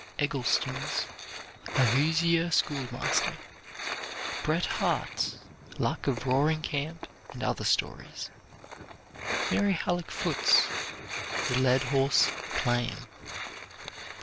Eggleston's "A Hoosier Schoolmaster." Bret Harte's "Luck of Roaring Camp and Other Stories." Mary Hallock Foote's "The Led Horse Claim."